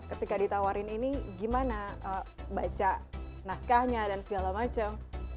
ketika ditawarin ini gimana baca naskahnya dan segala macam